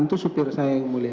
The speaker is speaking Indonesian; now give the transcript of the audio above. tentu supir saya yang mulia